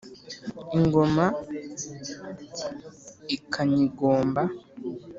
Ingoma ikanyigomba